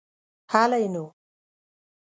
هلئ نو.